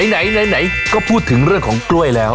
ไหนก็พูดถึงเรื่องของกล้วยแล้ว